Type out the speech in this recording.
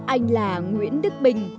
anh là nguyễn đức bình